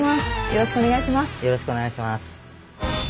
よろしくお願いします。